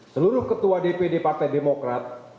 seluruh ketua dpd partai demokrat